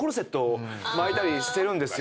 巻いたりしてるんですよ。